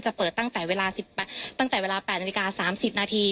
เปิดตั้งแต่เวลา๘นาฬิกา๓๐นาที